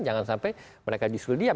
jangan sampai mereka justru diam